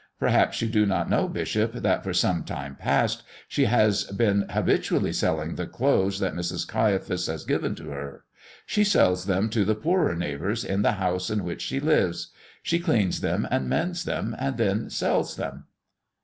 Perhaps you do not know, bishop, that for some time past she has been habitually selling the clothes that Mrs. Caiaphas has given to her. She sells them to the poorer neighbors in the house in which she lives. She cleans them and mends them, and then sells them."